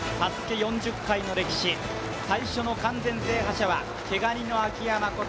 ４０回の歴史、最初の完全制覇者は毛ガニの秋山こと